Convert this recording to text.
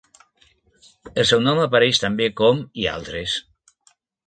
El seu nom apareix també com i altres.